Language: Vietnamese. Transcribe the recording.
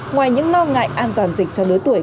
ngoài những lo ngại an toàn dịch cho lứa tuổi